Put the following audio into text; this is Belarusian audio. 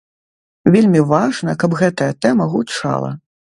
Вельмі важна, каб гэтая тэма гучала.